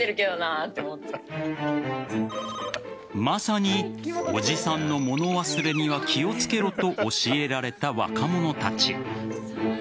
まさに、おじさんの物忘れには気を付けろと教えられた若者たち。